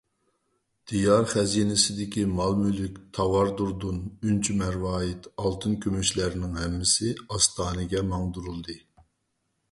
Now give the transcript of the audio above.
دىيار خەزىنىسىدىكى مال - مۈلۈك، تاۋار - دۇردۇن، ئۈنچە - مەرۋايىت، ئالتۇن - كۈمۈشلەرنىڭ ھەممىسى ئاستانىگە ماڭدۇرۇلدى.